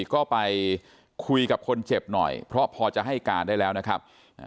ก็ไปคุยกับคนเจ็บหน่อยเพราะพอจะให้การได้แล้วนะครับ